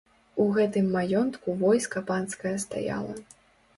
У гэтым маёнтку войска панскае стаяла.